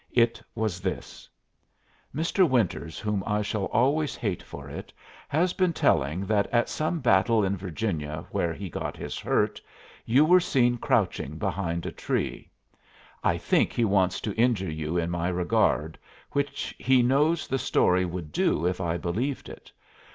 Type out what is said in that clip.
It was this: "Mr. Winters, whom I shall always hate for it, has been telling that at some battle in Virginia, where he got his hurt, you were seen crouching behind a tree. I think he wants to injure you in my regard, which he knows the story would do if I believed it.